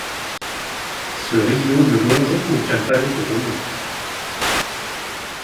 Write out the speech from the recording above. Ce rio ne longe aucun palais de renom.